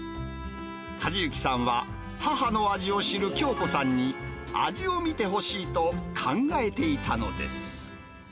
和幸さんは、母の味を知る京子さんに、味を見てほしいと考えていたのです。